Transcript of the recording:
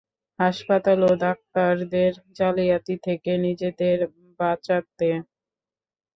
হাসপাতাল ও ডাক্তারদের জালিয়াতি থেকে নিজেদের বাঁচাতে।